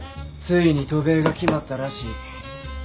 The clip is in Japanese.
ついに渡米が決まったらしい。